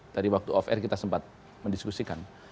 tadi waktu ofr kita sempat mendiskusikan